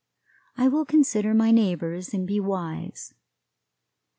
I will consider my neighbors and be wise.